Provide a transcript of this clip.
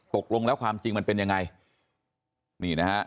ตกลงแล้วความจริงมันเป็นยังไงนี่นะฮะ